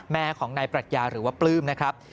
แม่ของนายปรัชญาหรือว่าปลื้มนะครับ